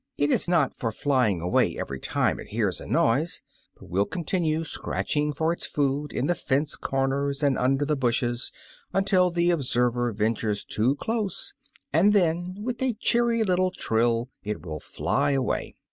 It is not for flying away every time it hears a noise, but will continue scratching for its food in the fence comers and under the bushes, until the observer ventures too close, and then, with a cheery little trill, it will fly away.